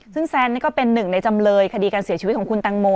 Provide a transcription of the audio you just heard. ซึ่งแซนนี่ก็เป็นหนึ่งในจำเลยคดีการเสียชีวิตของคุณตังโม